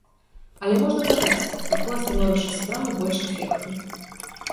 Але можна падаць такое становішча спраў больш эфектна.